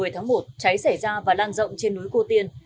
một mươi tháng một cháy xảy ra và lan rộng trên núi cô tiên